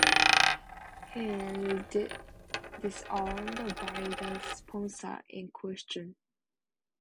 He is disowned by the sponsor in question.